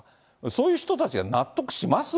そういう人たちが納得します？